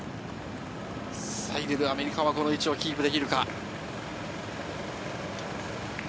サイデル、アメリカはこの位置をキープできるか。